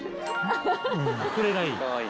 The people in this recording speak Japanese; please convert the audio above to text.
これがいい？